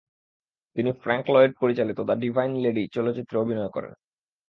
তিনি Frank Lloyd পরিচালিত the Divine Lady চলচ্চিত্রে অভিনয় করেন।